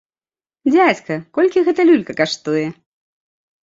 Дзядзька, колькі гэта люлька каштуе?